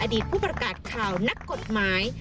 ผู้ประกาศข่าวนักกฎหมาย